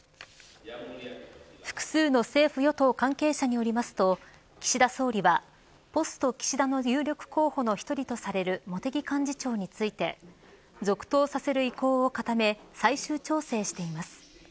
複数の政府与党関係者によりますと岸田総理はポスト岸田の有力候補の１人とされる茂木幹事長について続投させる意向を固め最終調整しています。